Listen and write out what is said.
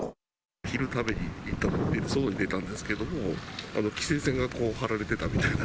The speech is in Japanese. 昼食べに行ったとき、外に出たんですけども、規制線が張られてたみたいな。